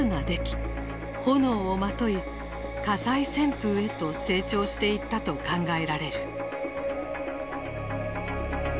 火災旋風へと成長していったと考えられる。